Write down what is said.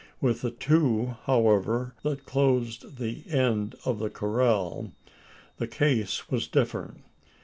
With the two, however, that closed the end of the corral, the case was different.